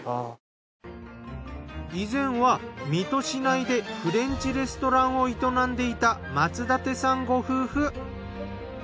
以前は水戸市内でフレンチレストランを営んでいた松立さんご夫婦。